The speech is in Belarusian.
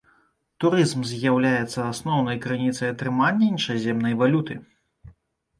Турызм з'яўляецца асноўнай крыніцай атрымання іншаземнай валюты.